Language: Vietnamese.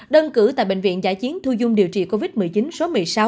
đơn cử tại bệnh viện giải chiến thu dung điều trị covid một mươi chín số một mươi sáu